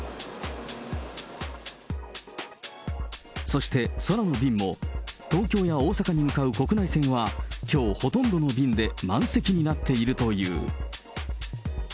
そして、空の便も東京や大阪に向かう国内線は、きょう、ほとんどの便で満席になっているという。